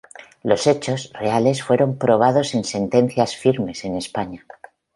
Los hechos, reales, fueron probados en sentencias firmes en España.